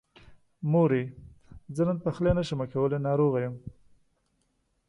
مورې! زه نن پخلی نشمه کولی، ناروغه يم.